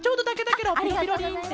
「ピロピロリン」って。